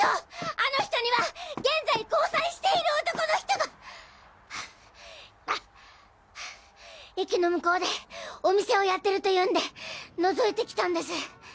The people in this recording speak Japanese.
あの人には現在交際している男の人がはぁはぁはぁ駅の向こうでお店をやってるというんで覗いてきたんです。